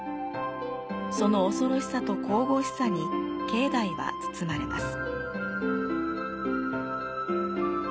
その恐ろしさと神々しさに境内は包まれます。